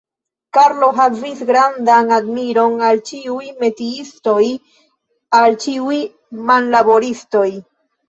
Karlo havis grandan admiron al ĉiuj metiistoj, al ĉiuj manlaboristoj.